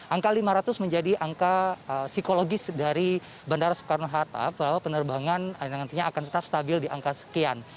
angka lima ratus menjadi angka psikologis dari bandara soekarno hatta bahwa penerbangan nantinya akan tetap stabil di angka sekian